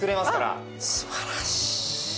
あっ素晴らしい！